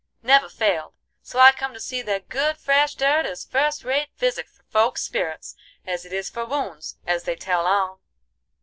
Never failed; so I come to see that good fresh dirt is fust rate physic for folk's spirits as it is for wounds, as they tell on."